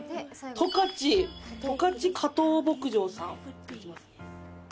十勝加藤牧場さん。